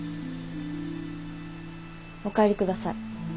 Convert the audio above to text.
お帰りください。